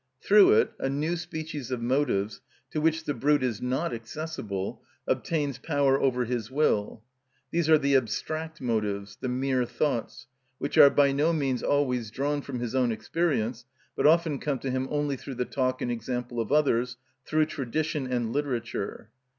Through it a new species of motives, to which the brute is not accessible, obtains power over his will. These are the abstract motives, the mere thoughts, which are by no means always drawn from his own experience, but often come to him only through the talk and example of others, through tradition and literature.